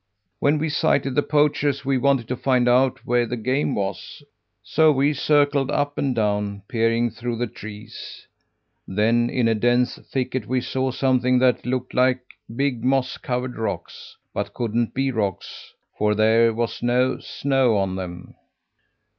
When we sighted the poachers we wanted to find out where the game was, so we circled up and down, peering through the trees. Then, in a dense thicket, we saw something that looked like big, moss covered rocks, but couldn't be rocks, for there was no snow on them.